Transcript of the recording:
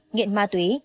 nghiện ma túy